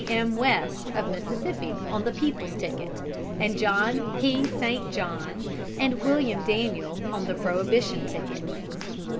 M. West, of Mississippi, on the People's ticket, and John P. St. John and William Daniel on the Prohibition ticket.